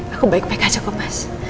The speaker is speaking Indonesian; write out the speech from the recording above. aku baik baik aja kok mas